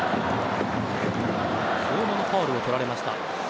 相馬のファウルを取られました。